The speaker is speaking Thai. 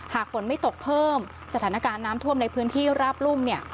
ฝนไม่ตกเพิ่มสถานการณ์น้ำท่วมในพื้นที่ราบรุ่มเนี่ย